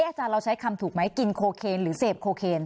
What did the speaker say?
อาจารย์เราใช้คำถูกไหมกินโคเคนหรือเสพโคเคน